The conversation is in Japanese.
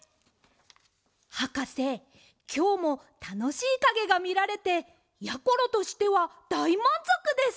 はかせきょうもたのしいかげがみられてやころとしてはだいまんぞくです！